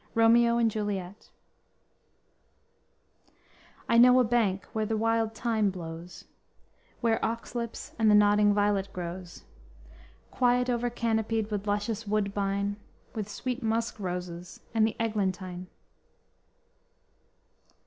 "ROMEO AND JULIET" _"I know a bank where the wild thyme blows; Where ox lips and the nodding violet grows; Quite over canopied with luscious woodbine, With sweet musk roses and the eglantine."